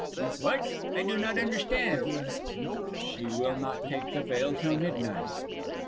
"What? I do not understand." "She will not take the veil till midnight."